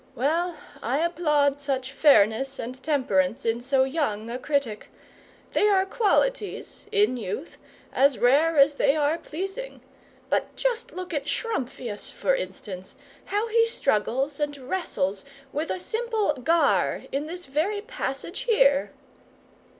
"Well, I applaud such fairness and temperance in so young a critic. They are qualities in youth as rare as they are pleasing. But just look at Schrumpffius, for instance how he struggles and wrestles with a simple γἁρ in this very passage here!"